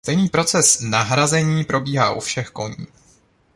Stejný proces „nahrazení“ probíhá u všech koní.